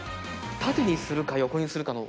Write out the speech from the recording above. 縦にするか横にするかの。